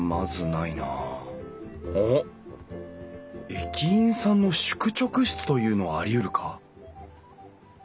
駅員さんの宿直室というのはありうるか？